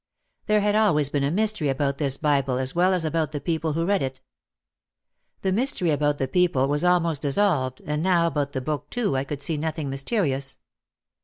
There had always been a mys tery about this Bible as well as about the people who read it. The mystery about the people was almost dissolved and now about the Book too I could see nothing mysteri ous.